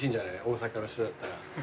大阪の人だったら。